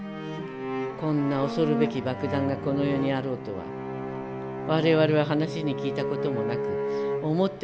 こんな恐るべき爆弾がこの世にあろうとは我々は話に聞いたこともなく思ってもみたことがない。